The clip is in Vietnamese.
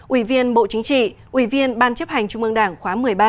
ủy viên bộ chính trị ủy viên ban chấp hành trung ương đảng khóa một mươi ba